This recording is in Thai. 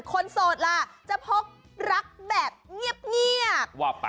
โสดล่ะจะพกรักแบบเงียบ